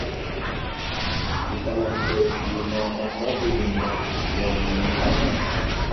Kutala the, yuma wamba kulinga ya umwenemwene?